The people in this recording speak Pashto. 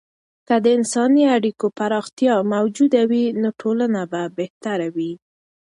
که د انساني اړیکو پراختیا موجوده وي، نو ټولنه به بهتره وي.